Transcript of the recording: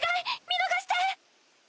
見逃して！